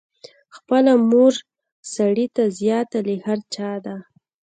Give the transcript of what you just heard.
خپله مور سړي ته زیاته له هر چا ده.